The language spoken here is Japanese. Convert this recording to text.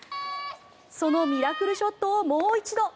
そのミラクルショットをもう一度。